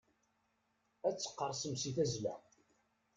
Ad teqqerṣem si tazla.